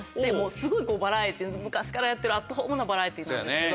すごいバラエティー昔からやってるアットホームなバラエティーなんですけど。